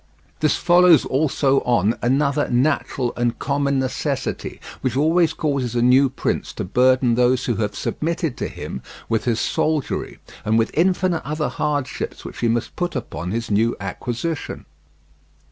This follows also on another natural and common necessity, which always causes a new prince to burden those who have submitted to him with his soldiery and with infinite other hardships which he must put upon his new acquisition.